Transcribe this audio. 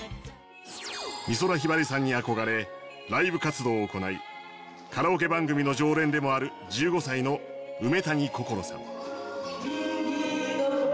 美空ひばりさんに憧れライブ活動を行いカラオケ番組の常連でもある１５歳の梅谷心愛さん。